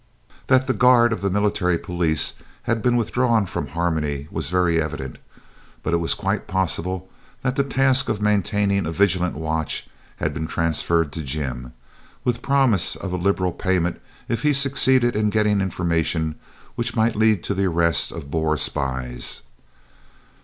That the guard of Military Police had been withdrawn from Harmony was very evident, but it was quite possible that the task of maintaining a vigilant watch had been transferred to Jim, with promises of a liberal payment if he succeeded in getting information which might lead to the arrest of Boer spies.